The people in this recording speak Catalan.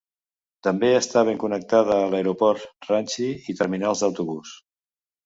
També està ben connectada a l'aeroport Ranchi i Terminals d'Autobús.